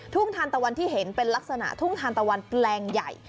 ทานตะวันที่เห็นเป็นลักษณะทุ่งทานตะวันแปลงใหญ่